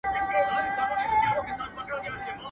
نه یې وکړل د آرامي شپې خوبونه.